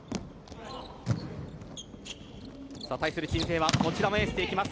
対する鎮西はこちらもエースでいきます。